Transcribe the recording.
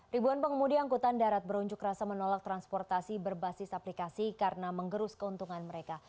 ribuan pengemudi angkutan darat berunjuk rasa menolak transportasi berbasis aplikasi karena menggerus keuntungan mereka